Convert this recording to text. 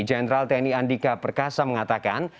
jenderal tni andika perkasa mengatakan